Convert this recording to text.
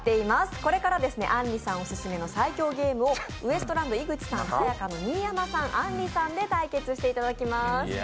これからあんりさんオススメの最強ゲームをウエストランド井口さん、さや香の新山さん、あんりさんで対決していただきます。